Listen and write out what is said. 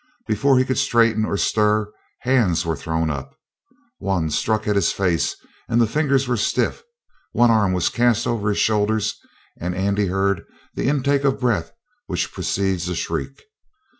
Before he could straighten or stir, hands were thrown up. One struck at his face, and the fingers were stiff; one arm was cast over his shoulders, and Andy heard the intake of breath which precedes a shriek.